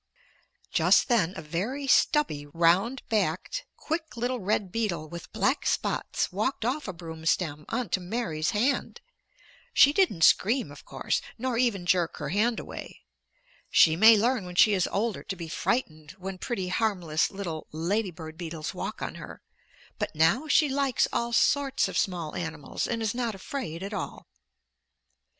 Just then a very stubby, round backed, quick little red beetle with black spots walked off a broom stem on to Mary's hand. She didn't scream, of course, nor even jerk her hand away. She may learn when she is older to be frightened when pretty, harmless, little lady bird beetles walk on her. But now she likes all sorts of small animals, and is not afraid at all.